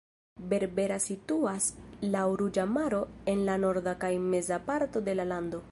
Berbera situas laŭ Ruĝa Maro en la norda kaj meza parto de la lando.